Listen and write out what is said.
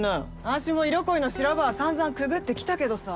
私も色恋の修羅場はさんざんくぐってきたけどさ。